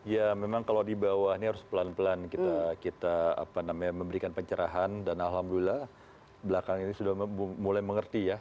ya memang kalau di bawah ini harus pelan pelan kita memberikan pencerahan dan alhamdulillah belakang ini sudah mulai mengerti ya